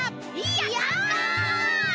やった！